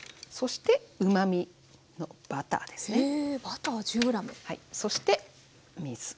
そしてうまみのバターですね。